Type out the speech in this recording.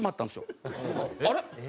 「あれ？